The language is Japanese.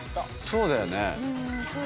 そうだよね。